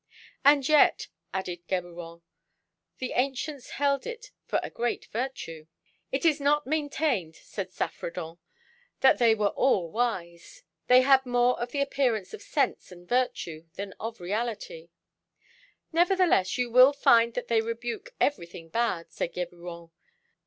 "And yet," added Geburon, "the ancients held it for a great virtue." "It is not maintained," said Saffredent, "that they all were wise. They had more of the appearance of sense and virtue than of the reality." "Nevertheless, you will find that they rebuke everything bad," said Geburon.